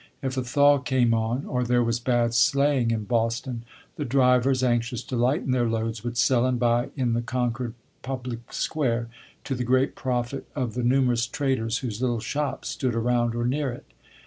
If a thaw came on, or there was bad sleighing in Boston, the drivers, anxious to lighten their loads, would sell and buy in the Concord public square, to the great profit of the numerous traders, whose little shops stood around or near it.